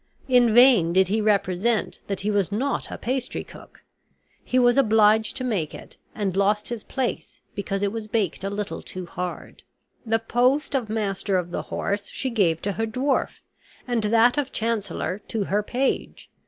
In vain did he represent that he was not a pastry cook; he was obliged to make it, and lost his place, because it was baked a little too hard. The post of master of the horse she gave to her dwarf, and that of chancellor to her page.